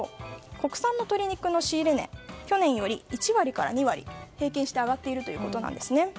国産の鶏肉の仕入れ値は去年より１割から２割平均して上がっているということです。